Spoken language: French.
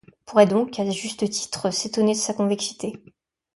On pourrait donc, à juste titre, s'étonner de sa convexité.